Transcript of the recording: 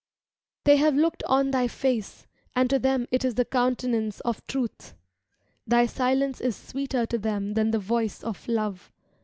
They have looked on thy face. And to them it is the countenance of Truth. Thy silence is sweeter to them than the voice of love.